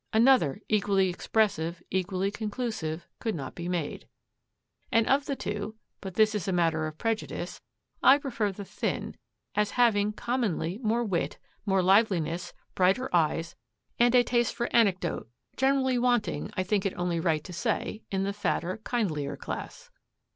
Another equally expressive, equally conclusive, could not be made. And of the two but this is a matter of prejudice I prefer the thin, as having commonly more wit, more liveliness, brighter eyes, and a taste for anecdote generally wanting, I think it only right to say, in the fatter, kindlier class.